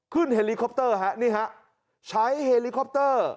ขึ้นเฮลิคอปเตอร์ใช้เฮลิคอปเตอร์